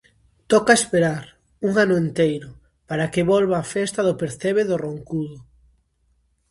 Toca esperar, un ano enteiro, para que volva a festa do percebe do Roncudo!